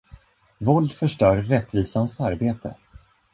Våld förstör rättvisans arbete.